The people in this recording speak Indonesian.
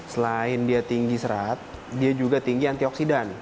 selain dia tinggi serat dia juga tinggi antioksidan